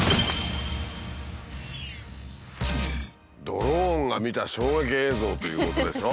ドローンが見た衝撃映像ということでしょ。